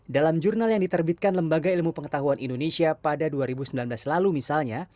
dalam jurnal yang diterbitkan lembaga ilmu pengetahuan indonesia pada dua ribu sembilan belas lalu misalnya